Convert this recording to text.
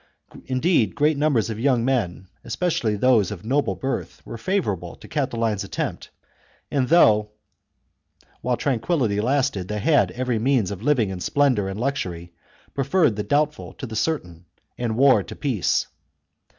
Indeed, great numbers of young men, especially those of noble birth, were favourable to Catiline's attempt, and though, while tranquillity lasted, they had every means of living in splendour and luxury, preferred the doubt ful to the certain, and war to peace.